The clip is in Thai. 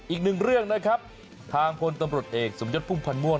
อีกหนึ่งเรื่องนะครับทางพลตำรวจเอกสมยศพุ่มพันธ์ม่วง